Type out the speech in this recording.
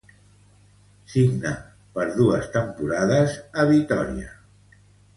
Signa per dos temporades a Vitòria.